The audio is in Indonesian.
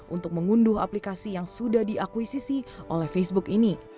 untuk mengunduh aplikasi yang sudah diakuisisi oleh facebook ini